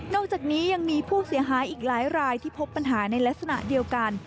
อกจากนี้ยังมีผู้เสียหายอีกหลายรายที่พบปัญหาในลักษณะเดียวกัน